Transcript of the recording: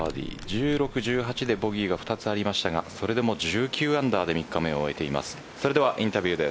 １６、１８でボギーが２つありましたがそれでも１９アンダーで３日目を終えています。